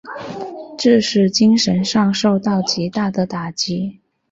致使精神上受到极大的打击。